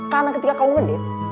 karena ketika kau ngedate